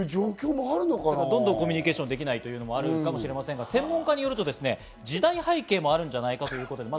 どんどんコミュニケーションできない状況もあるかもしれませんが、専門家によると時代背景もあるんじゃないかということです。